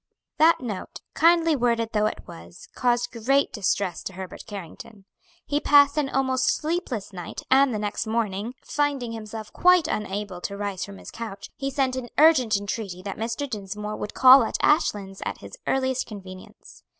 That note, kindly worded though it was, caused great distress to Herbert Carrington. He passed an almost sleepless night, and the next morning, finding himself quite unable to rise from his couch, he sent an urgent entreaty that Mr. Dinsmore would call at Ashlands at his earliest convenience.